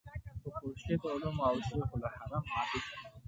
په خورشید علوم او شیخ الحرم عابد کې.